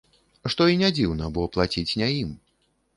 Што і не дзіўна, бо плаціць не ім.